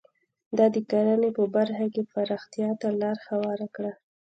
دا د کرنې په برخه کې پراختیا ته لار هواره کړه.